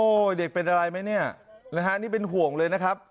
เด็กเป็นอะไรไหมเนี่ยนะฮะนี่เป็นห่วงเลยนะครับ